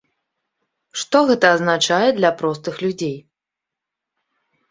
Што гэта азначае для простых людзей?